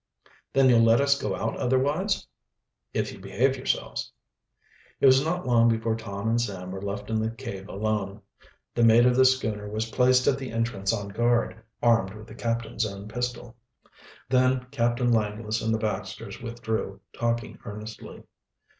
"Then you'll let us go out otherwise?" "If you behave yourselves." It was not long before Tom and Sam were left in the cave alone. The mate of the schooner was placed at the entrance on guard, armed with the captain's own pistol. Then Captain Langless and the Baxters withdrew, talking earnestly.